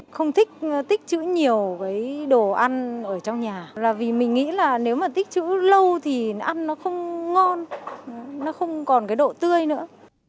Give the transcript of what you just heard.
không thích chữ nhiều với đồ ăn ở trong nhà là vì mình nghĩ là nếu mà tích chữ lâu thì ăn nó không ngon nó không còn cái độ tươi nữa